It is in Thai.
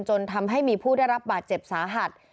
จนทำให้มีผู้ได้รับบาดเจ็บสาหัส